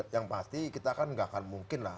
yang pasti kita kan nggak akan mungkin lah